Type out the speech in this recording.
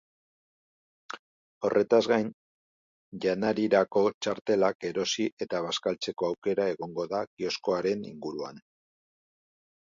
Horretaz gain, janarirako txartelak erosi eta bazkaltzeko aukera egongo da kioskoaren inguruan.